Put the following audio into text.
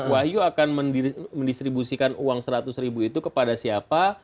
wahyu akan mendistribusikan uang seratus ribu itu kepada siapa